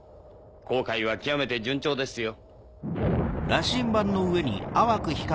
航海は極めて順調ですよ。